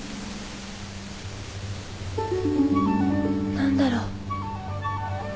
何だろう。